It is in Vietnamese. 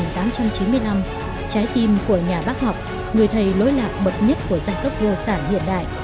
trái tim của nhà bác học người thầy lối lạc bậc nhất của giai cấp vô sản hiện đại